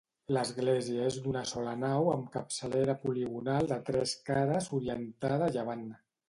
L'església és d'una sola nau amb capçalera poligonal de tres cares orientada a llevant.